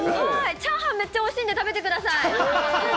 チャーハンめっちゃおいしいんで、食べてください。